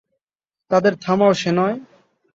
তাদের থামাও শেনয়!